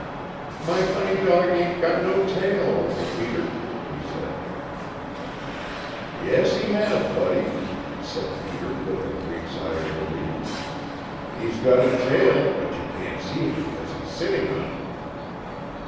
"My funny dog ain't got no tail, Uncle Peter," he said. "Yes, he has, Buddy," said Peter, with a great sigh of relief. "He's got a tail, but you can't see it because he's sitting on it."